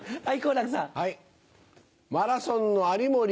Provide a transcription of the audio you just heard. はい。